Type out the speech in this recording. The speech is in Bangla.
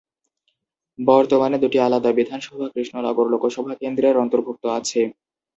বর্তমানে দুটি আলাদা বিধানসভা কৃষ্ণনগর লোকসভা কেন্দ্রের অন্তর্ভুক্ত আছে।